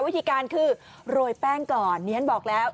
วิธีการคือโรยแป้งก่อนดิฉันบอกแล้ว